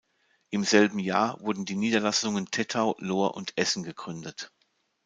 Im selben Jahr wurden die Niederlassungen Tettau, Lohr und Essen gegründet.